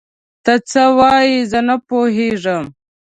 ته څه وايې؟ زه نه پوهيږم.